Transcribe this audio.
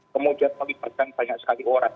kemudian melibatkan banyak sekali orang